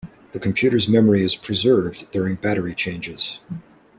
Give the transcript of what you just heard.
The computer's memory is preserved during battery changes.